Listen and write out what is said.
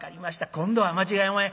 今度は間違いおまへん。